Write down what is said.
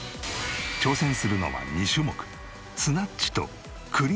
挑戦するのは２種目。